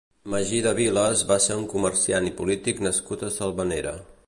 Magí de Viles va ser un comerciant i polític nascut a Selvanera.